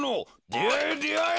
であえであえ！